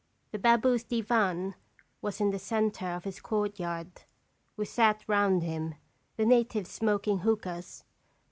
The baboo's divan was in the centre of his courtyard. We sat round him, the natives smoking hookahs.